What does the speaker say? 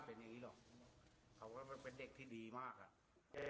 เค้าก็เป็นเด็กที่ดีมากอ่ะ